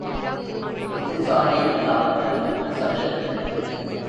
புத்திசாலி அல்லாதவன் அசடு.